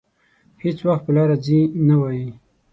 هېڅ وخت په لاره ځي نه وايي.